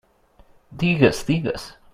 Digues, digues.